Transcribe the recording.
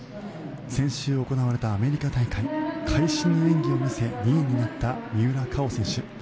先週行われたアメリカ大会会心の演技を見せ２位になった三浦佳生選手。